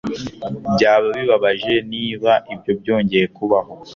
Byaba bibabaje niba ibyo byongeye kubaho.